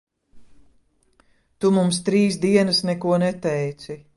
Tu mums trīs dienas neko neteici?